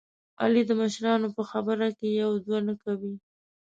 علي د مشرانو په خبره کې یوه دوه نه کوي.